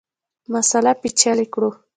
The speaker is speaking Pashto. مسأله پېچلې کړو.